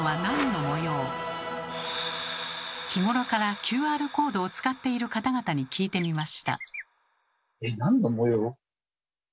日頃からＱＲコードを使っている方々に聞いてみました。